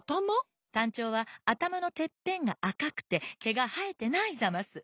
タンチョウはあたまのてっぺんがあかくてけがはえてないざます。